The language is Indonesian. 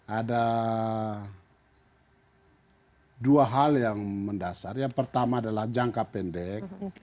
ada dua hal yang mendasar yang pertama adalah jangka pendek